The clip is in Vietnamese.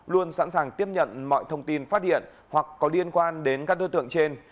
luôn sẵn sàng tiếp nhận mọi thông tin phát hiện hoặc có liên quan đến các đối tượng trên